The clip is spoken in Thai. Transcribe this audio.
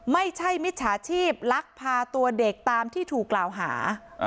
มิจฉาชีพลักพาตัวเด็กตามที่ถูกกล่าวหา